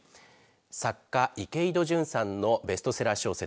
作家、池井戸潤さんのベストセラー小説